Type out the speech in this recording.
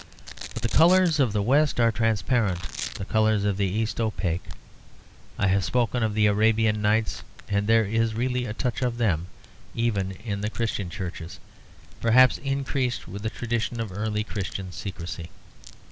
But the colours of the West are transparent, the colours of the East opaque. I have spoken of the Arabian Nights, and there is really a touch of them even in the Christian churches, perhaps increased with a tradition of early Christian secrecy.